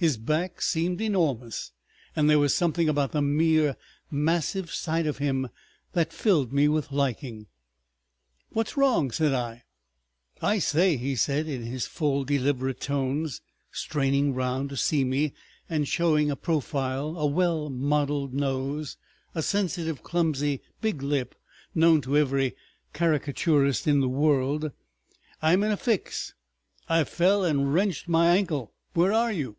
His back seemed enormous. And there was something about the mere massive sight of him that filled me with liking. "What's wrong?" said I. "I say," he said, in his full deliberate tones, straining round to see me and showing a profile, a well modeled nose, a sensitive, clumsy, big lip, known to every caricaturist in the world, "I'm in a fix. I fell and wrenched my ankle. Where are you?"